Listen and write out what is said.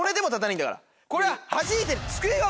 これは。